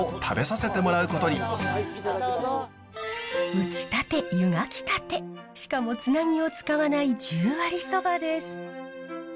打ちたて湯がきたてしかもつなぎを使わない十割そばです。